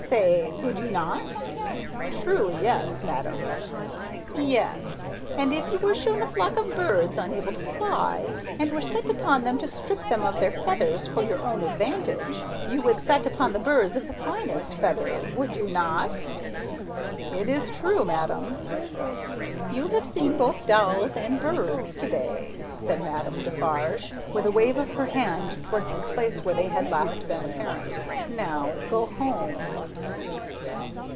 Say! Would you not?" "Truly yes, madame." "Yes. And if you were shown a flock of birds, unable to fly, and were set upon them to strip them of their feathers for your own advantage, you would set upon the birds of the finest feathers; would you not?" "It is true, madame." "You have seen both dolls and birds to day," said Madame Defarge, with a wave of her hand towards the place where they had last been apparent; "now, go home!"